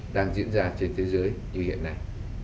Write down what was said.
đang diễn ra trên thế giới như hiện nay